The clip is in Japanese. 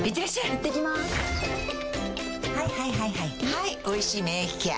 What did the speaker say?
はい「おいしい免疫ケア」